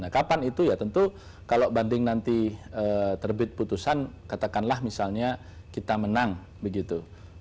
kapan itu ya tentu kalau banding nanti terbit putusan katakanlah misalnya kita menang begitu